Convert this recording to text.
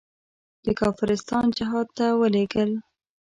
د کافرستان جهاد ته ولېږل.